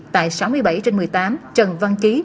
tại sáu mươi bảy trên một mươi tám trần văn chí